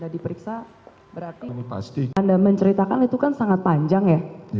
diperiksa berarti anda menceritakan itu kan sangat panjang ya